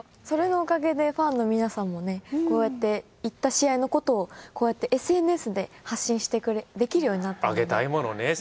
それのおかげでファンの皆さんもねこうやって行った試合のことをこうやってＳＮＳで発信できるようになったので。